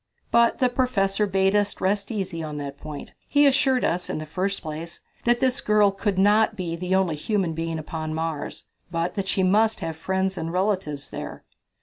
But the professor bade us rest easy on that point. He assured us, in the first place, that this girl could not be the only human being living upon Mars, but that she must have friends and relatives there.